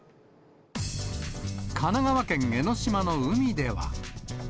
神奈川県江の島の海では。